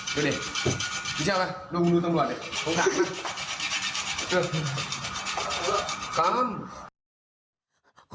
ดูดินี่ใช่ไหมดูดูตำรวจ